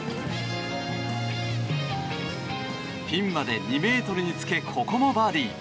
ピンまで２ｍにつけここもバーディー。